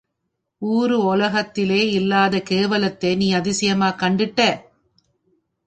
ஊரு ஒலகத்திலே இல்லாத கேவலத்தே நீ அதிசயமாக் கண்டுட்டே.